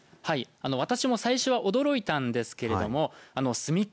あの私も最初は驚いたんですけれどもすみっコ